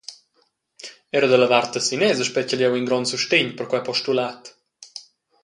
Era dalla vart tessinesa spetgel jeu in grond sustegn per quei postulat.